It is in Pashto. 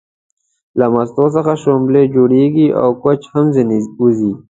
له مستو څخه شلومبې جوړيږي او کوچ هم ځنې وځي